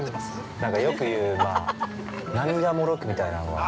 よく言う、涙もろくみたいなのは。